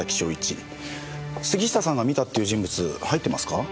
杉下さんが見たっていう人物入ってますか？